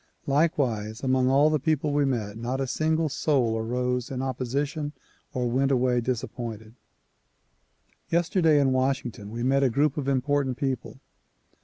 Likewise among all the people we met, not a single soul arose in opposition or went away disappointed. Yesterday in Washington we met a group of important people.